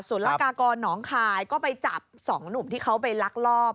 ละกากรหนองคายก็ไปจับสองหนุ่มที่เขาไปลักลอบ